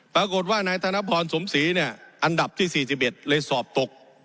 ปรากฏว่านายธนพรสมศรีเนี่ยอันดับที่๔๑เลยสอบตก